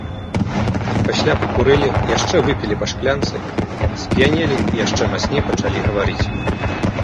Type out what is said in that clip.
Пасля пакурылі, яшчэ выпілі па шклянцы, сп'янелі і яшчэ мацней пачалі гаварыць.